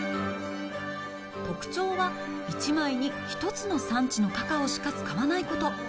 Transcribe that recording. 特徴は、１枚に１つの産地のカカオしか使わないこと。